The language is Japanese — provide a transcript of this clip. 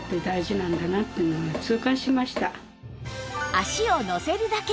足をのせるだけ！